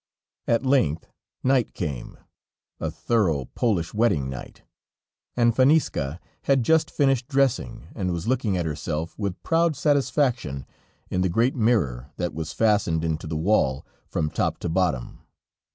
At length night came, a thorough, Polish wedding night, and Faniska had just finished dressing and was looking at herself with proud satisfaction in the great mirror that was fastened into the wall, from top to bottom.